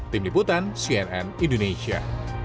tim liputan cnn indonesia